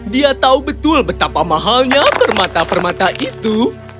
dia tahu betul betapa mahalnya permata permata itu